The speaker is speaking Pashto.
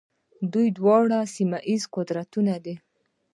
دوی دواړه سیمه ییز قدرتونه دي.